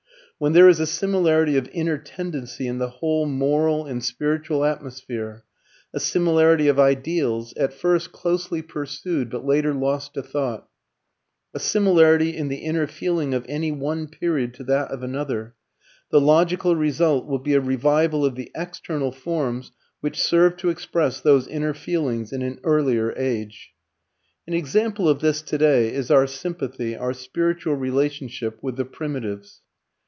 When there is a similarity of inner tendency in the whole moral and spiritual atmosphere, a similarity of ideals, at first closely pursued but later lost to sight, a similarity in the inner feeling of any one period to that of another, the logical result will be a revival of the external forms which served to express those inner feelings in an earlier age. An example of this today is our sympathy, our spiritual relationship, with the Primitives.